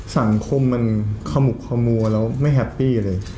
สังคมมันขมุกขมัวแล้วไม่แฮปปี้เลย